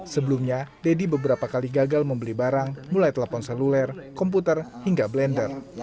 sebelumnya deddy beberapa kali gagal membeli barang mulai telepon seluler komputer hingga blender